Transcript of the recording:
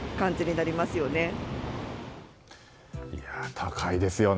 高いですよね。